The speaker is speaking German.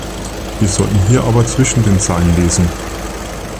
Wir sollten hier aber zwischen den Zeilen lesen.